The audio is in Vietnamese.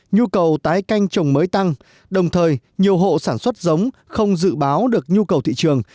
nhu cầu tái canh trồng mới tăng đồng thời nhiều hộ sản xuất giống không dự báo được nhu cầu thị trường